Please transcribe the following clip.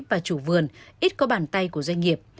và chủ vườn ít có bàn tay của doanh nghiệp